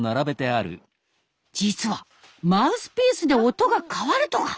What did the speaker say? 実はマウスピースで音が変わるとか！